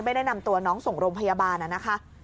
ไม่ได้นำตัวน้องส่งโรงพยาบาลนะคะ